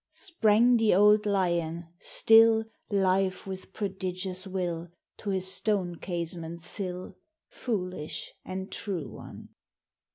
Sprang the old lion, still Live with prodigious will, To his stone casement sill; Foolish and true one!